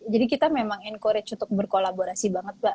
jadi kita memang encourage untuk berkolaborasi banget mbak